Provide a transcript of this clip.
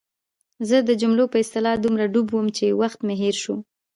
زه د جملو په اصلاح دومره ډوب وم چې وخت مې هېر شو.